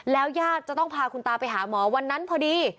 ญาติจะต้องพาคุณตาไปหาหมอวันนั้นพอดี